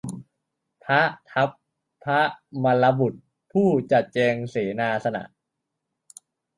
พระทัพพมัลลบุตร ผู้จัดแจงเสนาสนะ